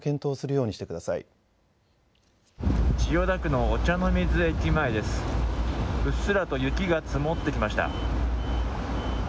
うっすらと雪が積もってきました。